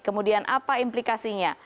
kemudian apa implikasinya